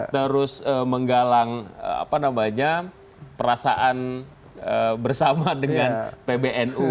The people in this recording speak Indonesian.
terus menggalang perasaan bersama dengan pbnu